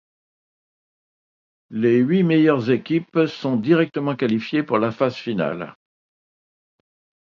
Les huit meilleures équipes sont directement qualifiées pour la phase finale.